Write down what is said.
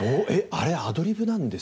あれアドリブなんですか？